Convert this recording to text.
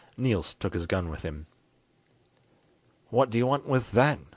Niels took his gun with him. "What do you want with that?"